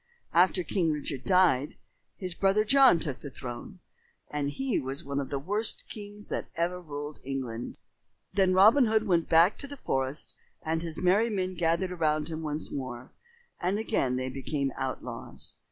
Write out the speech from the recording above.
After King Richard died, his brother John took the throne, and he was one of the worst kings that ever ruled England. Then Robin Hood went back to the forest and his merry men gathered around him once more, and again they became outlaws.